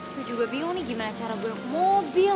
gue juga bingung nih gimana cara gue mau ke mobil